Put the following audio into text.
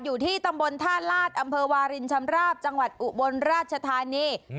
อยู่ที่ตำบลท่าลาศอำเภอวารินชำราบจังหวัดอุบลราชธานี